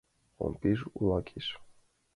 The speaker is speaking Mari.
Ом пиж улакеш.